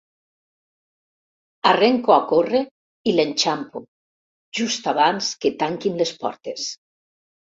Arrenco a córrer i l'enxampo, just abans que tanquin les portes.